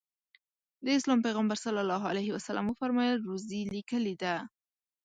د اسلام پیغمبر ص وفرمایل روزي لیکلې ده.